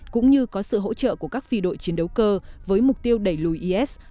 cũng như có sự hỗ trợ của các phi đội chiến đấu cơ với mục tiêu đẩy lùi is